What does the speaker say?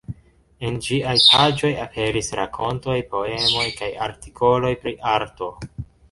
En ĝiaj paĝoj aperis rakontoj, poemoj kaj artikoloj pri arto.